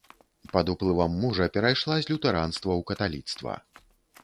Пад уплывам мужа перайшла з лютэранства ў каталіцтва.